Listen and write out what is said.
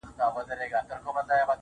ډېوې پوري.